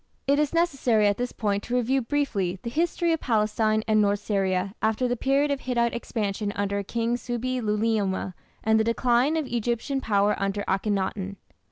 It is necessary at this point to review briefly the history of Palestine and north Syria after the period of Hittite expansion under King Subbi luliuma and the decline of Egyptian power under Akhenaton.